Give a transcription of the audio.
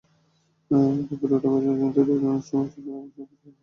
তবে rota ভাইরাসজনিত diarrhoea অনেক সময় শীতের শুষ্ক আবহাওয়ায় দ্রুত ছড়িয়ে পড়ে।